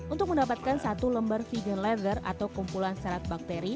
untuk mendapatkan satu lembar feeder leather atau kumpulan serat bakteri